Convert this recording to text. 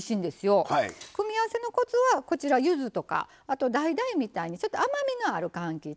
組み合わせのコツはこちらゆずとかあとだいだいみたいにちょっと甘みがあるかんきつ。